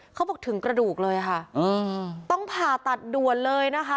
เขาบอกถึงกระดูกเลยค่ะต้องผ่าตัดด่วนเลยนะคะ